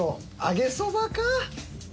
揚げそばか？